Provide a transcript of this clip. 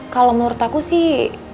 kalo menurut aku sih